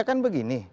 ya kan begini